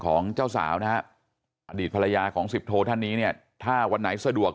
ของเจ้าสาวนะฮะอดีตภรรยาของสิบโทท่านนี้เนี่ยถ้าวันไหนสะดวก